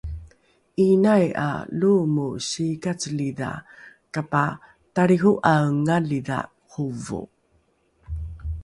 ’iinai ’a loomo siikacelidha kapatalriho’aengalidha hovo